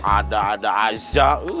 ada ada aja